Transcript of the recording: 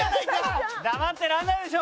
黙ってられないでしょ！